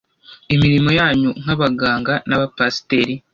Imirimo yanyu nkabaganga nabapasiteri